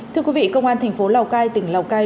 thưa quý vị công an tp lào cai tỉnh lào cai